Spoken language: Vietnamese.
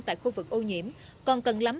tại khu vực ô nhiễm còn cần lắm